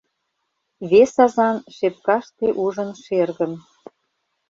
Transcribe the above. Вес азан шепкаште ужын шергым